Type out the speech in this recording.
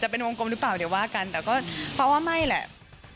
เป็นวงกลมหรือเปล่าเดี๋ยวว่ากันแต่ก็เพราะว่าไม่แหละ